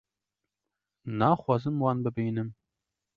naxwazim wan bibînim